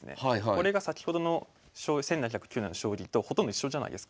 これが先ほどの１７０９年の将棋とほとんど一緒じゃないですか。